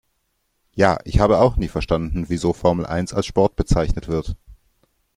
Ja, ich habe auch nie verstanden wieso Formel eins als Sport bezeichnet wird.